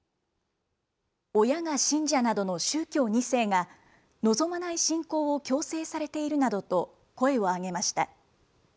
親が信者などの宗教２世が、望まない信仰を強制されているなどと、声を上げました。